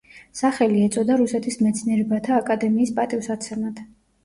სახელი ეწოდა რუსეთის მეცნიერებათა აკადემიის პატივსაცემად.